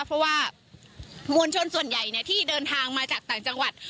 เพราะว่ามวลชนส่วนใหญ่ที่เดินทางมาจากต่างจังหวัด